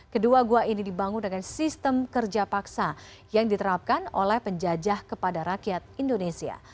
kedua gua ini dibangun dengan sistem kerja paksa yang diterapkan oleh penjajah kepada rakyat indonesia